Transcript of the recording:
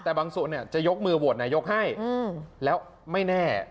แต่บางส่วนเนี่ยจะยกมือววดไปยกให้อืมแล้วไม่แน่